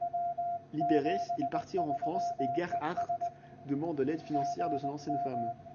Libérés, ils partirent en France et Gerhardt demanda l'aide financière de son ancienne femme.